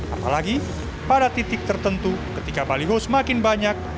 apalagi pada titik tertentu ketika baliho semakin banyak